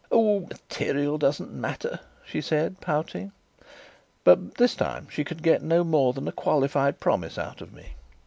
"Oh, material doesn't matter!" she said, pouting. But this time she could get no more than a qualified promise out of me.